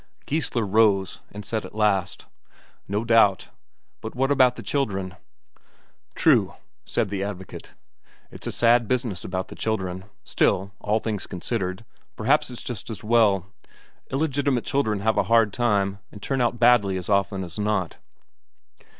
Geissler rose, and said at last: "No doubt. But what about the children?" "True," said the advocate, "it's a sad business about the children. Still, all things considered, perhaps it's just as well. Illegitimate children have a hard time, and turn out badly as often as not."